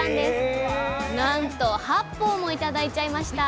なんと８本も頂いちゃいました！